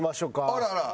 あらあら。